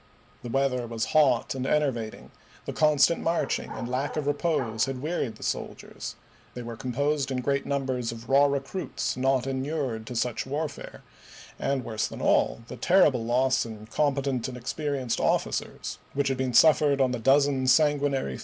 The weather was hot and enervating; the constant marching and lack of repose had wearied the soldiers ; they were composed in great numbers of raw recruits not inured to such warfare ; and, worse than all, the terrible loss in competent and experienced officers, which had been suffered on the dozen sanguinary 1864.